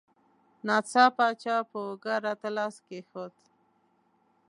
ناڅاپه چا په اوږه راته لاس کېښود.